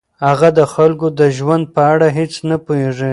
هغه د خلکو د ژوند په اړه هیڅ نه پوهیږي.